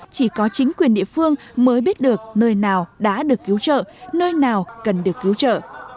chỉ có chính quyền địa phương mới biết được nơi nào đã được cứu trợ nơi nào cần được cứu trợ